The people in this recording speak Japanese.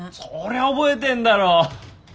そりゃ覚えてんだろ。